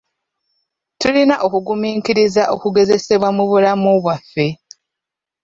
Tulina okugumiikiriza okugezesebwa mu bulamu bwaffe.